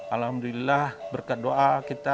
alhamdulillah berkat doa kita